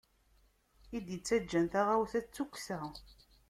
I d-ittaǧǧan taɣawsa, d tukksa.